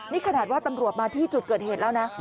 นี่ขนาดว่าตำรวจมาที่จุดเกิดเหตุแล้วนะ